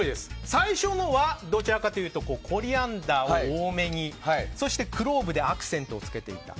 最初のはコリアンダー多めにそしてクローブでアクセントをつけていた。